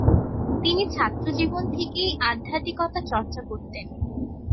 তিনি ছাত্রজীবন থেকেই আধ্যাত্মিকতা চর্চা করতেন।